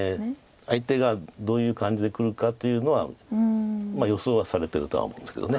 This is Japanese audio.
相手がどういう感じでくるかというのは予想はされてるとは思うんですけど。